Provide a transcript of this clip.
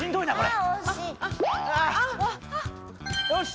よし！